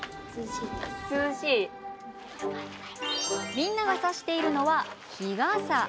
みんながさしているのは日傘。